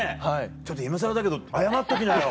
ちょっと今更だけど謝っときなよ。